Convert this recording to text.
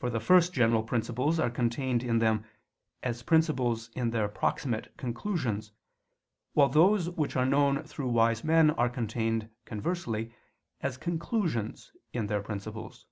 For the first general principles are contained in them, as principles in their proximate conclusions; while those which are known through wise men are contained, conversely, as conclusions in their principles.